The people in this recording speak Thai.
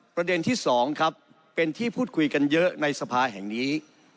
ประเด็นที่๒ครับเป็นที่พูดคุยกันเยอะในสภาแห่งนี้